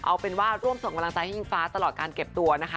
เอาเป็นว่าร่วมส่งกำลังใจให้อิงฟ้าตลอดการเก็บตัวนะคะ